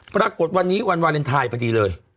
ปรากฏวันนี้วันวาเลนไทยพอดีเลย